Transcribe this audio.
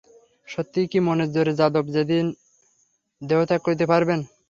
সত্যই কি মনের জোরে যাদব সেদিন দেহত্যাগ করিতে পারবেন?